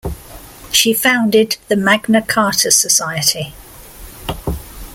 She founded the Magna Carta Society.